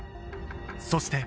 そして